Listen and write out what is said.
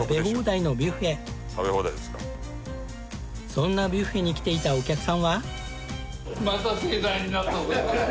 そんなビュッフェに来ていたお客さんは。